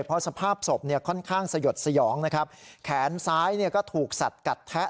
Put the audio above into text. เพราะสภาพศพค่อนข้างสยดสยองแขนซ้ายถูกสัดกัดแทะ